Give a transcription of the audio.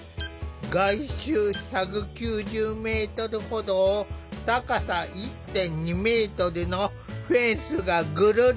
外周１９０メートルほどを高さ１．２メートルのフェンスがぐるり。